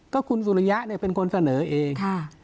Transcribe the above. ก็คุณสุริยะเป็นคนเสนอเอง